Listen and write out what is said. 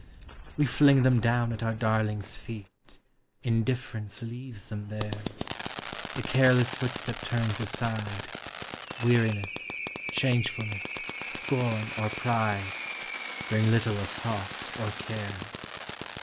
We fling them down at our darling's feet, Indifference leaves them there. The careless footstep turns aside, Weariness, changefulness, scorn, or pride, Bring little of thought or care.